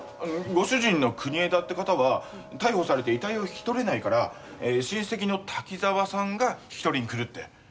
ご主人の国枝って方は逮捕されて遺体を引き取れないから親戚の滝沢さんが引き取りに来るって。